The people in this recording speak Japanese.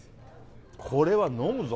これは飲むぞ。